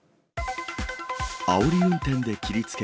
あおり運転で切りつけ。